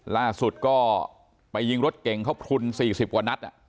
ล่าสุดก็ไปยิงรถเกงเขาพรุนสี่สิบกว่านัด